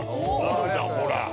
あるじゃんほら。